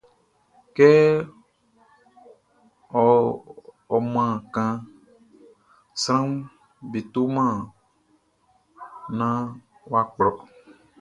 Kɛ ɔ man kanʼn, sranʼm be toman naan wʼa kplɔ.